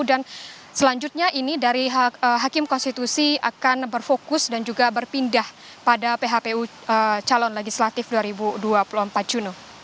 dan selanjutnya ini dari hakim konstitusi akan berfokus dan juga berpindah pada phpu calon legislatif dua ribu dua puluh empat juno